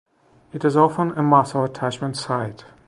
It is often a muscle attachment site.